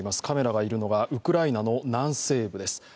カメラがいるのがウクライナの南西部です。